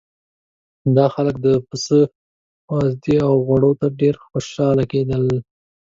دا خلک د پسه وازدې او غوړو ته ډېر خوشاله کېدل.